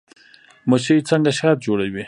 مچۍ څنګه شات جوړوي؟